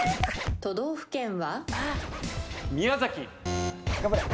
都道府県は？